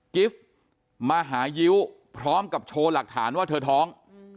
กิฟต์มาหายิ้วพร้อมกับโชว์หลักฐานว่าเธอท้อง